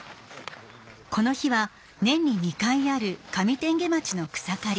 この日は年に２回ある上天花町の草刈り。